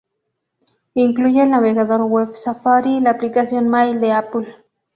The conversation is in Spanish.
Incluye el navegador web Safari y la aplicación Mail de Apple.